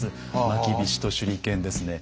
まきびしと手裏剣ですね。